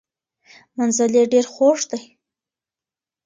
منزل یې ډیر خوږ دی.